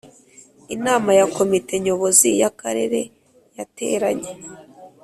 Inama ya Komite Nyobozi y’ Akarere yateranye